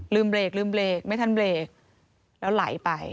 เบรกลืมเบรกไม่ทันเบรกแล้วไหลไป